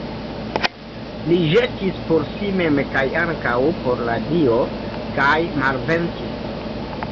Li ĵetis por si mem kaj ankaŭ por la dio kaj malvenkis.